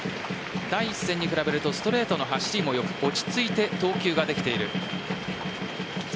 第１戦に比べるとストレートの走りも良く落ち着いて投球ができている。